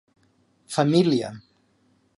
Família